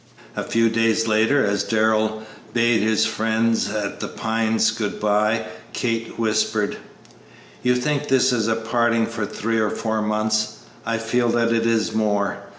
A few days later, as Darrell bade his friends at The Pines good by, Kate whispered, "You think this is a parting for three or four months; I feel that it is more.